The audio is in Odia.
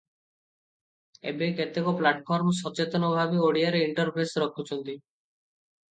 ଏବେ କେତେକ ପ୍ଲାଟଫର୍ମ ସଚେତନ ଭାବେ ଓଡ଼ିଆରେ ଇଣ୍ଟରଫେସ ରଖିଛନ୍ତି ।